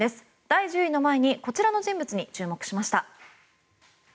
第１０位の前にこちらの人物に注目しました。